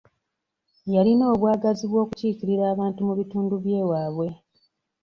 Yalina obwagazi bw'okukiikirira abantu mu bitundu by'ewaabwe.